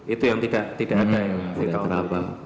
itu yang tidak ada yang tidak terapkan